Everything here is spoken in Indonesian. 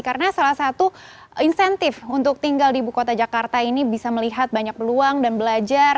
karena salah satu insentif untuk tinggal di ibu kota jakarta ini bisa melihat banyak peluang dan belajar